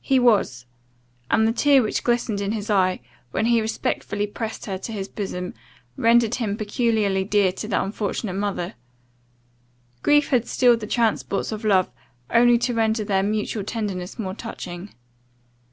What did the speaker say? He was; and the tear which glistened in his eye, when he respectfully pressed her to his bosom, rendered him peculiarly dear to the unfortunate mother. Grief had stilled the transports of love, only to render their mutual tenderness more touching.